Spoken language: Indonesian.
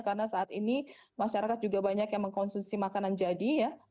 karena saat ini masyarakat juga banyak yang mengkonsumsi makanan jadi ya